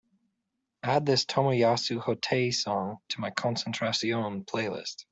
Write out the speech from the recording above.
Add this tomoyasu hotei song to my concentración playlist